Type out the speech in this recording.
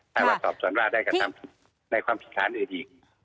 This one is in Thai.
ถ้าว่าสอบสวนว่าได้กระทำผิดในความผิดฐานอื่นอีก